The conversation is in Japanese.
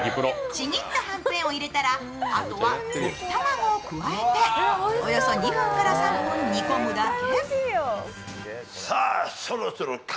ちぎったはんぺんを入れたら、あとは溶き卵を入れておよそ２３分煮込むだけ。